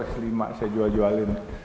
yang kelima saya jual jualin